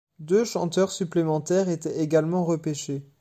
Deux chanteurs supplémentaires étaient également repêchés.